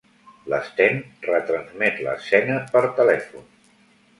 L'Sten retransmet l'escena per telèfon.